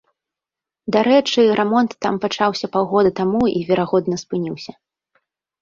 Дарэчы, рамонт там пачаўся паўгода таму і, верагодна, спыніўся.